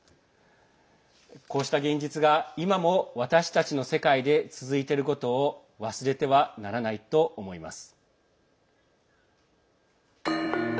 こうした現実が、今も私たちの世界で続いていることを忘れてはならないと思います。